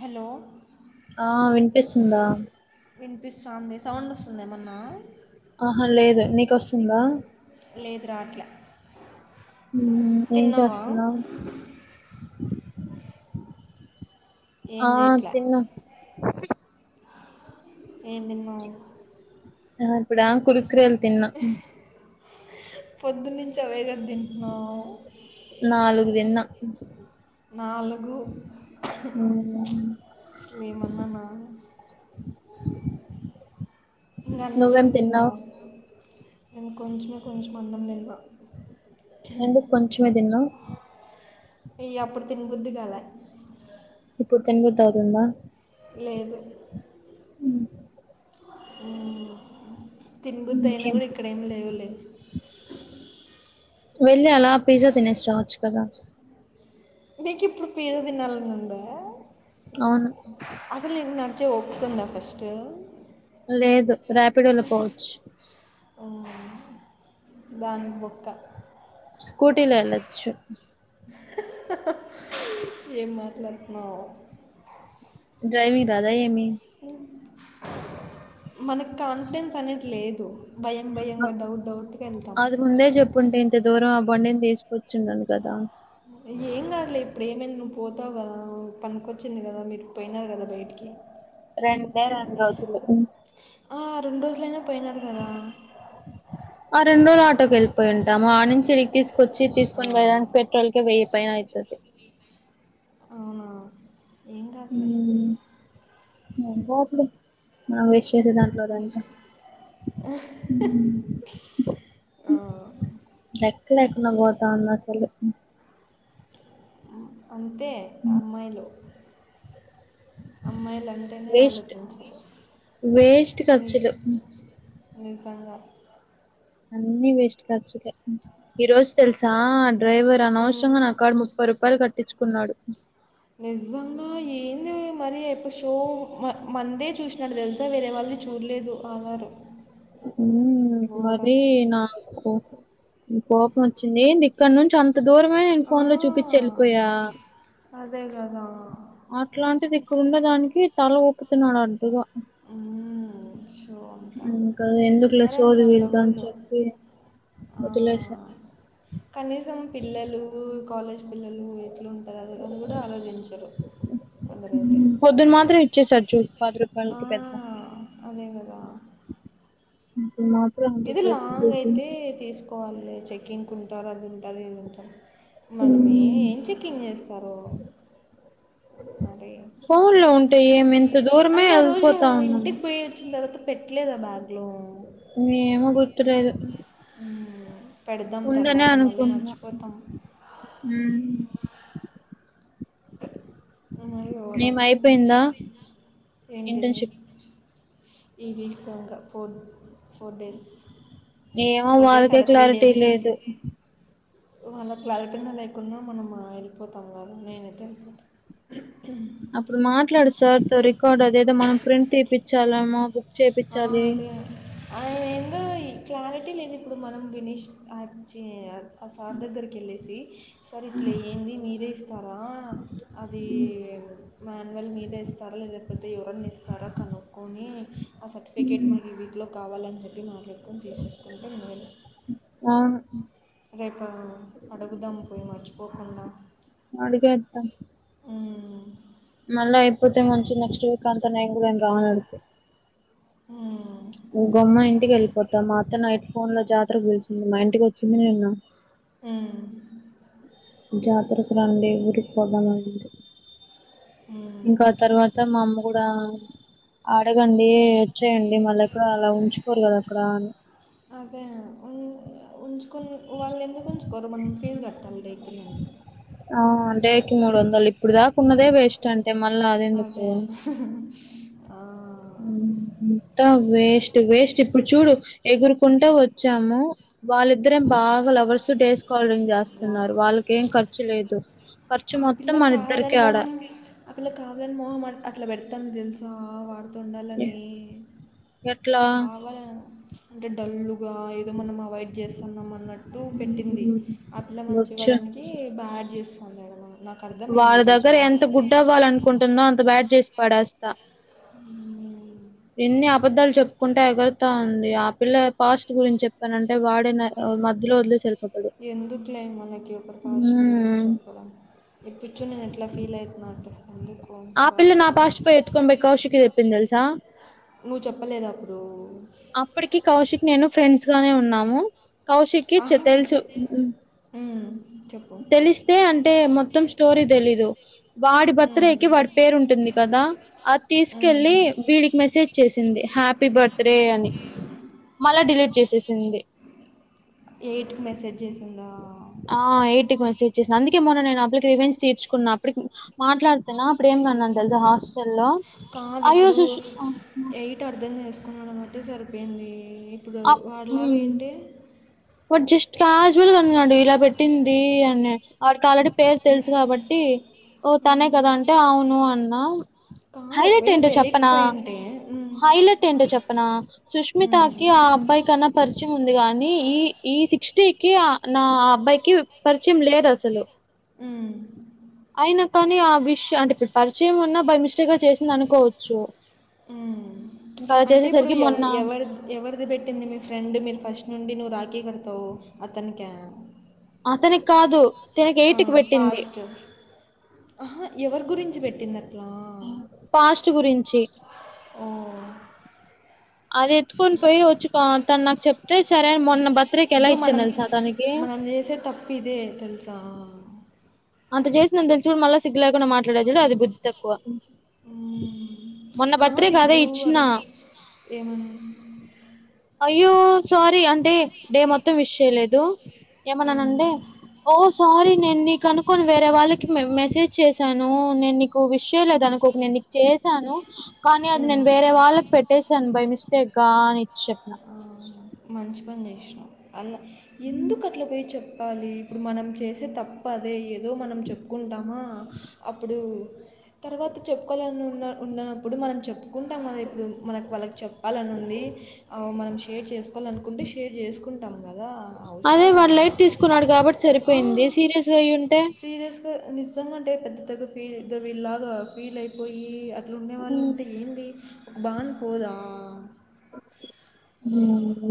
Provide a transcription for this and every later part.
Hello ఆ వినిపిస్తుందా విన్పిస్తాంది సౌండ్ వస్తుంద ఏమన్నా ఆహా లేదు నీకొస్తుందా లేదు రాట్ల ఉమ్ ఏం చేస్తున్నావ్ ఏం ఆ చేయట్లే తిన్న ఎం తిన్నవ్ ఆ ఇప్పుడా కుర్కురేలూ తిన్న పొద్దు నుంచి అవేకద్ తింటున్నావ్ నాలుగు తిన్నా నాలుగు మ్మ్ స్లేమన్ననా ఇంక అన్నం ఏం తిన్నావ్ నెన్ కొంచ్మే కొంచం అన్నం తింటా ఎందుక్ కొంచమే తిన్నవ్ ఇయ అప్పుడు తిన్ బుద్దుగాలే ఇప్పుడు తిన్బుద్ధవుతుందా లేదు మ్ మ్ తినబుద్ అయినా ఇంకేం కూడా ఇక్కడేమి లేవులే ఇ అలా పిజ్జ తినేసి రావచ్చు కదా నిక్ ఇప్పుడ్ పిజ్జా తినాలనుందా అవును అసల్ నిక్ నాక్ త్ ఒప్కుంద ఫస్ట్ లేదు రాపిడోలో పోవచ్ ఉమ్ దాన్క్ బొక్క స్కూటీలో ఎల్లచ్చు ఏం మాట్లాడుతున్నావు డ్రైవింగ్ రాదా ఏమి మనక్ కాన్ఫిడెన్స్ అనేది లేదు భయం అ భయంగా డౌట్ డౌట్గా వెళ్తాం అది ముందే చెప్పుంటే ఇంత దూరం అ బండిన్ తీసుక్చుండన్ కదా ఏం కాదులే ఇప్పుడు ఏమైంది నువ్వు పోతావు కదా పనికొచ్చింది కదా మీరు పోయినారు కదా బయటికి రెండే రెం రోజులు ఆ రెండు రోజులైన పోయినారు కదా ఆ రెండు ఆటోకి వెళ్ళిపో ఉాము ఆ నుంచి ఇడికి తీసుకొచ్చి ఆ, తీసుకని వె పోయడానికి పెట్రోల్ క వెయ్యియిన అవుతుది ఏంగగలే పోతు ఆ విష్ చేసే దాంట్లో అంత లెక్క లేకుండ పోతాంది అసలు ఉమ్, అంతే అమ్మాయిలు అమ్మాయిలు అంటేనే వేస్ట్ ఆలోచించి వేస్ట్ ఖర్చులు నిజంగా అన్నిీ వేస్ట్ ఖర్చులె ఈరోజ్ తెల్సా డ్రైవర్ ఉమ్. అనవసరంగా నా కాడ ముప్పై రూపాయలు కట్టించుకున్నాడు నిజంగా ఏంది మరిపు షో మందే చూసినట్టు తెలుసా వేరే వాళ్ళ మరి చూడ్లేదు ఆధారు. ఉమ్ మరి ఓవరాక్షన్ నాకు కోపం వచ్చింది ఎంది ఇక్కడ నుంచి అంత అంత దూరమే నేను ఆ, ఫోన్ లో చూపిచ్చి వెళ్ళిపోయా అదే కదా అట్లాంటిది అక్కడ ఉన్న దానికి తల ఊపు తున్నాడు అంటు గ మ్ షో అంత ఎందుక్లె మరి చోదు వీలుద ఉండకూడదు చెప్పి వదిలేసా పిల్లలూ కాలేజ్ పిల్లలు ఎట్లుంట అని కూడ ఆలోచించరు కొందరయితే పొద్దున మాత్రం ఇచ్చేసాడు చూడు పది రూపాయకి పెద్ద కదా ఇది అంతసేపు లాంగ్ కూర్చుని అయితే తీసుకోవాలి చెక్కింగ్కు ఉంటారు అది ఉంటారు ఇది ఉంటారు మనమే ఏం చెకింగ్ చేస్తారు మరీ ఫోన్ లో ఉంటే ఏమి ఇంత దూరమే అయినా రోజు వెళ్ళిపోతా నువ్వు ఉన్నాం ఇంటికి పోయి వచ్చిన తర్వాత పెట్లేద బ్యాగ్ ఏమో గుర్తు లేదు హు ఉందనే అనుకుంటున్నా ఉమ్ మరి ఓవర్ ఏమ్ యాక్షన్ అయిపోయిందా ఏంటిది ఇంటర్న్షిప్ ఈవీక్ రంగా ఫోర్ ఫోర్ డేస్ ఏమో ఫోర్ డేస్ వాళ్ళకే క్లారిటీ లేదు వాళ్ళక్ క్లారిటీ ఉన్న లేకున్న మనం వెళ్ళిపోతాం కాదా మైన్ అయితే వెళ్ళిపోతాను అప్పుడు మాట్లాడు సార్ తో రికార్డు అదేదో మనం ప్రింట్ తీయిించాలమ ఆ అదే ఆయన ఎందో క్లారిటీ లేదు ఇప్పుడు మనం వినీష్ ఆ చి ఆసార్ దగ్గరికి వెళ్ళేసి సార్ ఇట్లా ఏంది మీరే ఇస్తారా అది మాన్యువల్ మీరే ఇస్తారా లేకపోతే ఎవరన్న ఇస్తార కనుక్కొని ఆ సర్టిఫికేట్ మాకు ఈ వీక్లో కావాలని చెప్పి మాట్లాడుకొని తీసేసుకుంటే మేలు అవును రేపు అడుగుదామ్ పోయి మర్చిపోకుండా ఇంక మ్ మళ్ళ అయిపోతే మంచిం నెక్స్ట్ వీక్ అంతా నేను కూడా కావాల అడితే ఆ గమ్మ ఇంటికి వెళ్ళిపోతాం మాత్తం నైట్ ఫోన్ లో జాతరకు పలిచింది మా ఇంటికి వచ్చింది నేన్న ఉమ్ జాతరకు రండి ఊరిపోదాలంది ఇంకా ఉమ్. తర్వాత మా అమ్మ కూడా అడగండి వచ్చేయండి మళ్ళ ఎక్కడ అలా ఉంచుకోరు కదా అక్కడ అని అదే ఉ ఉంచుకుని వాళ్ళు ఎందుకు ఉంచుకోరు మం ఫీజు కట్టాలి డైకిలో ఆ డేటుమూడు వందలు ఇప్పుడు దాకా వున్నదే వేస్ట్ అండి అదే బెష్ట అండి అదె అంత వేస్ట్ వేస్ట్ ఇప్పుడు చూడు ఎగురు కుంటే వచ్చాము వాళ్ళిద్దరేం బాగా లవర్స్ డేస్ కాల్డ్రింగ్ వా చేస్తున్నారు వాళ్ళక ఏం ఖర్చు లేదు ఖర్చు ఆ మొత్తం పిల్ల మన ఇద్దరి కావాలని కె ఆడా మొహం ఆ పిల్ల కావాలని మొహం అట్లా పెడతా తెలుసా వాడుత ఎ- తండాలని ఎట్లా కావాల అంటే డల్లుగా ఇో మనం అవాయిడ్ చేస్తున్నాం అన్నట్టు పెట్టింది ఉమ్, ఆ పిల్ల మంచి వచ్చు కావడానికి బాగా చేసి వారి దగ్గర ఎంత గుడ్ అవ్వాల అనుకుంటుందో అంత బ్యాట్ చేసి పడేస్తా మ్మ్. ఎని ఆబద్ద్దాలు చెప్ చెప్పుకుంటే ఎగురుతా ఉంది ఆ పిల్ల పాస్ట్ గురించి చెప్పానంటే వాడే మధ్యలో వదిలి ఎందుకులే మనకి ఒకరి పాస్ గురించి ఉమ్, చెప్పడం ఇప్పించు నేను ఎట్లా ఫీల్ అవుతున్నా అట్ ఫ్యామిలీ కో ఆ పిల్ల నా బాధపడాల పాస్ట్ పోయి ఎత్తుకొని పోయి కౌశికి చెప్పింది తెలుసా నువ్వు చెప్పలేదు అప్పుడు అప్పటికి కౌశిక్ నేను ఫ్రెండ్స్ గానే ఉన్నాము కౌశిక్కి ఆహా తెలుసు చెప్పు తెలిస్తే అంటే మొత్తం స్టోరీ తెలీదు వాడి బర్త్ డే కి వాడి వాడిబర్త్డే పేరు ఉంటుంది కదా అది తీసుకెళ్ళి వీడికి మెసేజ్ చేసింది హ్యాపీ బర్త్డే అని మళ్ళా డిలీట్ చేసేసింది ఎయిట్కి మెసేజ్ చేసా ఆ ఎయిట్ కి మెసేజ్ చేసాను అందుకే మొన్న నేను అప్పుకి రివేంజ్ తీర్చుకున్నా అప్పటికి మాట్లాడు ఛీ. మాట్లాడుకున్నాం ప్రేమ్నందన్ సేమ్ తెలుసా హాస్టల్లో కాదు అయ్యోష్ ఆ అట్టె సరిపోయింది ఇప్పుడు వాడిలాగ ఏంటి వాడ్ జస్ట్ క్యాజువల్గ అన్నాడు ఇలా పెట్టింది అని వాడికి ఆల్రెడీ పేరు తెల్సు కాబట్టి ఓ తనే ఉమ్, కదా అంటే అవును అన్నా కాదు హైలైట్ ఒకవేళ ఏంటో చెప్పనా తెలియకపోయింటే ఉమ్, హైలైట్ ఏంటో చెప్పనా సుష్మితకి ఉమ్, ఆ అబ్బాయి కన్నా పరిచయం ఉందిగా కానీ ఈ ఈ సిక్స్టీ కి నా అబ్బాయికి పరిచయం లేదు అసలు ఉ కాని ఆ విషయం అంటే ఇప్పుడు పరిచయం ఉన్నా బై మిస్టేక్ గా చేసింది అనుకోవచ్చు ఉ ఇంకా అలా అంటే ఇప్పుడు చేసేసరికి ఎవ మొన్న ఎవరి ఎవరిది పెట్టింది మీ ఫ్రెండ్ మీరు ఫస్ట్ నుండి నువ్వు రాకే కడుత తు అతనికిక అతనికి కాదు తనకి ఎయిట్ కి పెట్టింది ఆపాస్ట్ ఆహా ఎవరి గురించి పెట్టిందిట్లా పాస్ట్ గురించి ఒమ్ అది ఎత్తుకొని పోయి వచ్చి తను నాకు చెప్తే సరే అని మొన్న బర్త్డేకి ఎలా ఇో ఇచ్చాను మనం తెలుసా తనకి మనం చేసే తప్పు ఇదే తెలుసా అంత చేసినందని తెలుసు కూడాడు మళ్ళా సిగ్ లేకుండా మాట్లాడేాడు అది బుద్ధి తక్కువ ఉమ్ మొన్న కాదు బర్త్డేకి అదే ఇప్పుడు ఇచ్చిన అద ఏమన్నా అయ్యో సారీ అంటే డే మొత్తం విస్ చేయలేదు ఏమనా మ్మ్. అంే ఓ సారీ నే నీ కను కొన్ని వేరే వాళ్ళకి మెసేజ్ చేశాను నేను నీకు విషయం లేదానికి ఒక నేను నీకు చేశాను కానీ అది ఉమ్. నేను వేరే వాళ్ళకి పెట్టేశాను బై మిస్టేక్ గా అని ఇచ్చి చెప్పిన మంచి పని చేసినాం అలా ఎందుకు అట్లా పోచ చెప్పాలి ఇప్పుడు మనం చేసే తప్పు అదే ఏదో మనం చెప్పుకుంటామా అప్పుడు తర్వాత చెప్పుకోవాలని ఉన్న ఉన్నప్పుడు మనం చెప్పుకుంటాం కద ఇప్పుడు మనకు వాళ్ళకి చెప్పాలని ఉంది అవుమనం షేర్ చేసుకోవాలనుకుంటే షేర్ చేసుకుంటాము అదే వాడు లైట్ తీసుకున్నాడు కాబట్టి సరిపోయింది ఆ, సీరియస్ గా అయి్య ఉంటే సీరియస్‌గా నిజంగా అంటే పెద్ద త ఫీల్లాగా ఫీల్ అయిపోయి అట్లు ఉండే వాళ్ళు ఉంటే ఏంది ఒక బాగుని పోదా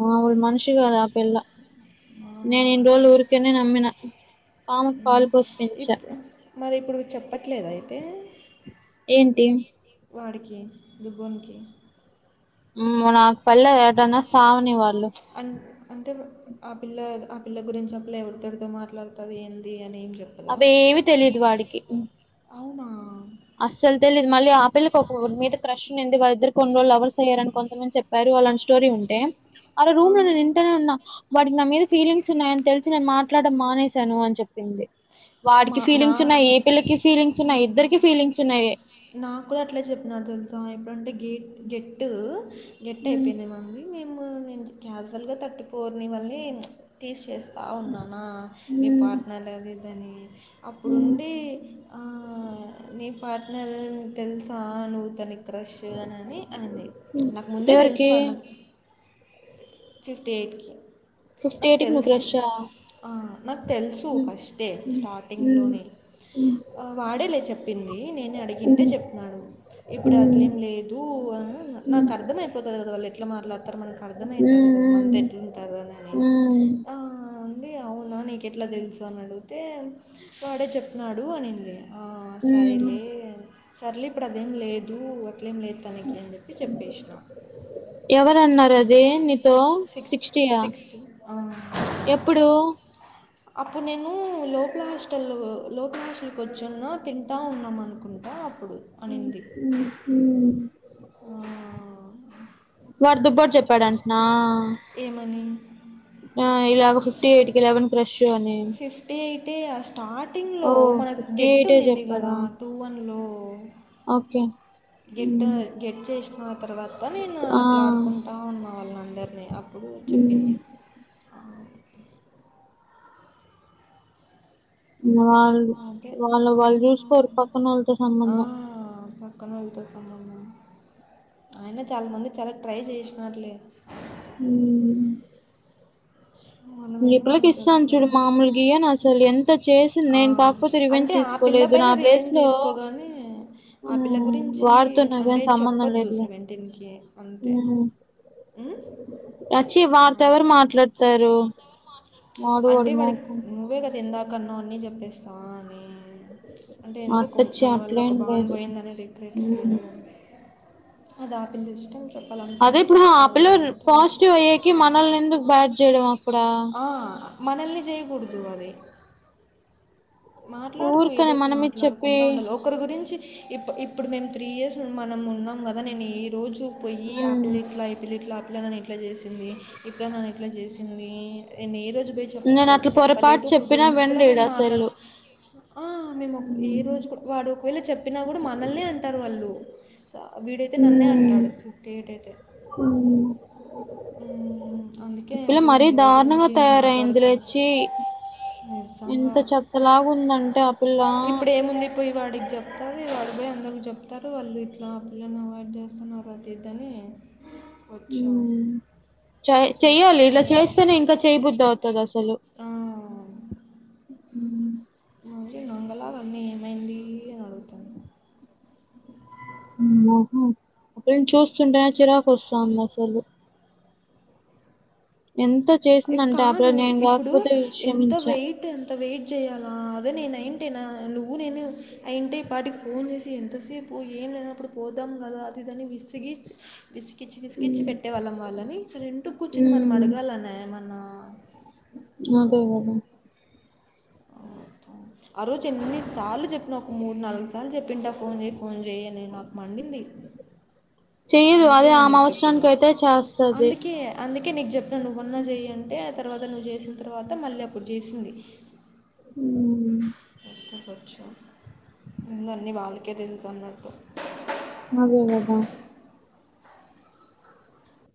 నా మనిషిగాదా అపిల్లా ఆ! నేను ఇం రోజళు ఊరికేనే నమ్మిన పాముకి పాలు పోసి పెంచా. ఇప్పు మరి ఇప్పుడు చెప్పట్లేద అయితే ఏంటి వాడికి దుబన్కి కి నాకు పల్లె ఏటన్నా సావని వాళ్ళు అన్ అంటే ఆ పిల్ల ఆ పిల్ల గురించి అప్పుల ఎవరితోరితో మాట్లాడుతుంది ఏంది అనిం అవిఏమి తెలిదు వాడికి అవునా? అస్సలు తెలీదు మళ్ళీ ఆపిల్కి ఒకరి మీద క్రష్ నినదివాళ్ళ ఇద్దరు కొ రోజులవర్స్య్యారని కొంతమంది చెప్పారు వాళ్ళని స్టోరీ ఉంటే అలా ఆ! రూమ్ లో నేను ఇంటేనే ఉన్నా వాడ నా మీద ఫీలింగ్స్ ఉన్నాయని తెలిసి నేను మాట్లాడడం మానేశాను అని చెప్పింది వాడికి మా నా ఫీలింగ్స్ ఉన్నాయి ఏ పిల్లకి ఫీలింగ్స్ ఉన్నాయి ఇద్దరికి నా కూడా అట్లే చెప్పినారు తెలుసా ఎప్పుడంటే గేట్ గెట్టు గెట్ హ్మ్. అయిపోయినా మీ మేము నేను క్యాజువల్గా థర్టీ ఫోర్ని మళ్ళీ తీసేస్త కాావున్నానా మీ హ్మ్. పార్ట్నర్ లే అది దాని హ్మ్. అప్పుడుండి నీ అ పార్ట్నర్కు తెలుసా అని వ్వు తది క్రష్ అనిని అయింది నాకు ముందే తెలుసు ఎవరికీ? వాళ నాకు ఫిఫ్టీ ఎయిట్కి సు ఫిఫ్టీ ఏటికి నుకు రష్యా ఆనాకు తెలుసు ఫస్ట్ే హ్మ్ హ్మ్ స్టార్టింగ్లోనే హ్మ్ వాడేలే చెప్పింది నేను అడిగిందె చెప్పినాను ఇప్పుడు హ్మ్ ఏం లేదు హ్మ్ పోనునాకు అర్థమ అయిపోతుంది కద వాళ్ళు ఎట్లా మాట్లాడతారు మనకు అర్థమయి అదెకదమన హ్మ్ తె ఎట్లు ఉంటారు కదఆ హ్మ్ అండి అవునా నీక ఎట్లా తెలుసు అని అడిగితే వాడే చెప్న్నాడు అనింది హ్మ్ ఆసరేలే సర్లే ఇప్పుడు అదేం లేదు ఇప్పుడు అట్లఏమి లెదు తనకి అని చెపిసిన తో సిక్స్టీయా ఎప్పుడు అప్పుడు నేను లోపల హాస్టల్లో లోపల హాస్టల్కి వచ్చున్న తింటా ఉన్నాం అనుకుంటా అప్పుడు హ్మ్ అనింది హ్మ్ హ్మ్ ఆ వడు దుబ్బడు చెప్పాడంటునా ఏమని ఆ ఇలాగా ఫిఫ్టీ ఎయిట్ కి లెవెన్ క్రెష్ ఫిఫ్టీ అయితే ఓ స్టార్టింగ్లో మనకు ఫిఫ్టీ గెట్ ఎయిటే ఉన్నింది కదా టూ వన్ లో ఓకె గెట్ గెట్ చేసిన తర్వాత నేను ఆ, అట్లా ఆడుకుంటా ఉన్నా వాళ్ళ అందరినీ అప్పుడు హ్మ్ చెప్పింది వాళ్ళు అదే వాళ్ళ వాళ్ళు చూస్కోరు పక్కన వాళ్ళతో సంబంధం పక్కన వాల్లతో సంబంధం ఆయన చాల మంది చాల ట్రై చేసి నార్లె ఉమ్ మనం ఇ ఏందో పిల్లకి మనకు తెలుసు ఇస్తాను చూడు కదా మామూల్గ ఈయను అసలు ఎంత చేసి ఆ, నేను కాకపోతే రివెంజ్ అంటే ఆ తీసుకోలే పిల్ల పైన రీవేంజ్ తీసుకోగానె ఆ పిల్ల మ్మ్, గురించి వాడితో నాకేం అంటే సంబంధం చెప్పద్దు లేదులే సెవెంటిన్ ఇంకె అంతే ఉం? అ చ్చి ఆ, వార్తో ఎవరు మాట్లాడతారు వాడు అంటే వాడు వాడికి మాకు నువ్వే కదా ఇందాకన్నవ్ అన్నీ చెప్పేస్తా అని అంటే ఎందుకు అట్టచ్చి మన వల్ల ఒక అట్లేం బాండ్ లేదు పోయిందని రిగ్రెట్ ఫీల్ మ్మ్. అదా ఆ పిల్ల ఇష్టం అదే చెప్పాలనుకుంటే ఇప్పుడు చెప్తా ఆ పిల్ల లేదంటే లేదు పాజిటివ్ అయ్యాకి మనల్ని ఎందుకు బ్యాడ్ చేయడం అక్కడ ఆ, మనల్ని చేయకూడదు అది మాట్లాడుకో ఊరికనే ఏదోటి మనం ఇది చెప్పి మాట్లాడుకుండా ఉండాలి ఒకరి గురించి ఇప్పు ఇప్పుడు మేమ్ త్రీ ఇయర్స్ మనం ఉన్నాం కదా నేను ఏ రోజు పోయి ఆ మ్మ్. పిల్ల ఇట్లా ఈ పిల్ల ఇట్లా ఆ పిల్ల నన్ ఐట్లా చేసింది ఇట్లా నన్న ఎట్లా చేసింది మీ నేను ఏ రోజు పోయి నేను చెప్పుకో అట్లా పొరపాటు చెప్పలేదు ఒకరి చెప్పినా గురించి కూడ వెండీడు మేము మాట్లాడు అసలు ఆ మేము ఏ మ్మ్. రోజు కూడ వాడు ఒకవేళ చెప్పినా కూడ మనల్నే అంటారు వాళ్ళు స వీడైతే నన్నే అంటాడు ఫిఫ్టీ ఎయిట్ అయితే మ్మ్. అందుకే ఈ పిల్ల అసలు మరీ మేము ఎవరి దారుణంగా గురించి తయారయిందిలె మాట్లాడుకోము చ్చి నిజంగా ఎంత చెత్తలాగ ఉందంటే ఆ పిల్ల ఇప్పుడు ఏముంది పోయి వాడికి చెప్తారు వాళు పోయి అందరుకి చెప్తారు వాళ్ళు ఇట్లా ఆ పిల్లని అవాయిడ్ చేస్తున్నారు అది ఇద్ద అని వచ్చురు మ్మ్ చే చెయ్యాలి ఇట్ల చేస్తేనే ఇంకా చేయబుద్ధి అవుతది అసలు ఆ, మరి నంగలా అన్నీ ఏమైంది అని అడుగుతుంది నీ మొహం అప్పుడు నిను చూస్తుంటే చిరాకు వస్తుాంది అసలు ఎంత చేసిందంటే ఆ పిల్ల కాదు నేను ఇప్పుడు కాకపోతే ఎంత క్షమించా వెయిట్ ఎంత వెయిట్ చేయాలా అదే నేనైతేన నువ్వు నేను అయింటే ఈ పాటికి ఫోన్ చేసి ఎంతసేపు ఏం లేనప్పుడు పోద్దాం కదా అదిదని వి విసిగిచ్ విసిగిచ్చి మ్మ్ పెట్టేవాళ్ళం వాళ్ళని సో ఇంటూ కూర్చుంది మనం మ్మ్ అడగాలనే ఏమన్నా అదే కదా ఆ రోజు ఎన్నిసార్లు చెప్పిన ఒక మూడు నాలుగు సార్లు చెప్పింటా ఫోన్ చేయి ఫోన్ చేయి అని నాకు మండింది చెయ్యదు అందుకే అదే ఆ ఇంకా నీకు మవసరానికి అయితే చేస్తది ఓకే నీకు చెప్పినా నువ్వు మోన్నా చేయి అంటే ఆ తర్వాత నువ్వు చేసిన తర్వాత మళ్ళీ అప్పుడు చేసింది ఉమ్ చ్చుంద అన్నీ వాళ్ళకే తెలుసు అన్నట్టు అదే కదా